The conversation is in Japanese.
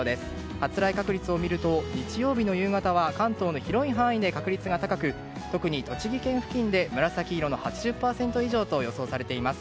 発雷確率を見てみると日曜日の夕方は関東の広い範囲で確率が高く、特に栃木県付近で紫色の８０％以上と予想されています。